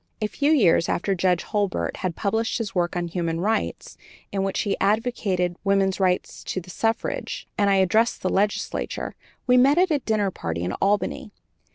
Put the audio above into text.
A few years after Judge Hurlbert had published his work on "Human Rights," in which he advocated woman's right to the suffrage, and I had addressed the legislature, we met at a dinner party in Albany.